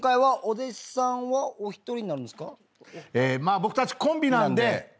僕たちコンビなんで。